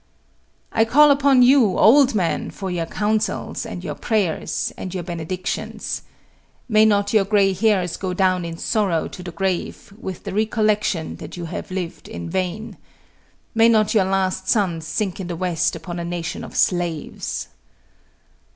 I call upon you, old men, for your counsels, and your prayers, and your benedictions. May not your gray hairs go down in sorrow to the grave, with the recollection that you have lived in vain. May not your last sun sink in the west upon a nation of slaves.